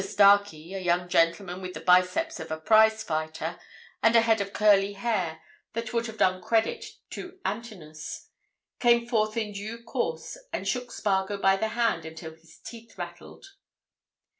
Mr. Starkey, a young gentleman with the biceps of a prize fighter and a head of curly hair that would have done credit to Antinous, came forth in due course and shook Spargo by the hand until his teeth rattled.